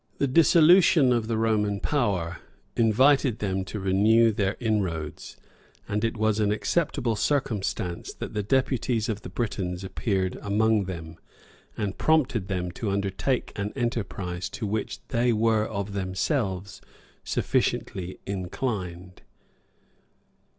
The dissolution of the Roman power invited them to renew their inroads; and it was an acceptable circumstance that the deputies of the Britons appeared among them, and prompted them to undertake an enterprise to which they were of themselves sufficiently inclined.